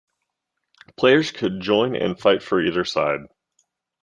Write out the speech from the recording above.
Players could join and fight for either side.